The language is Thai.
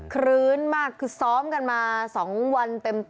คลื้นมากคือซ้อมกันมา๒วันเต็ม